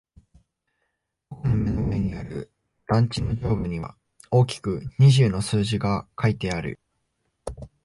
僕の目の前にある団地の上部には大きく二十の数字が書いてある。